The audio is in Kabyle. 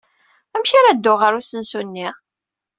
Amek ara dduɣ ɣer usensu-nni?